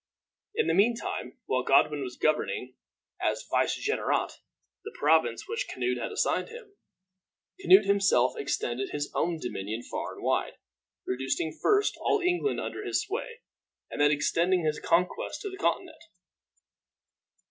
In the mean time, while Godwin was governing, as vicegerent, the province which Canute had assigned him, Canute himself extended his own dominion far and wide, reducing first all England under his sway, and then extending his conquests to the Continent.